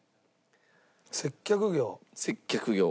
接客業。